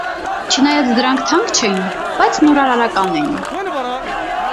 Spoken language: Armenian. Չնայած դրանք թանկ չէին, բայց նորարական էին։